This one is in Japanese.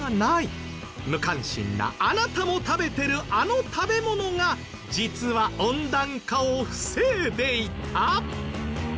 無関心なあなたも食べてるあの食べ物が実は温暖化を防いでいた！？